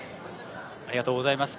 ありがとうございます。